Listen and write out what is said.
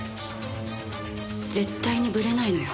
絶対にブレないのよ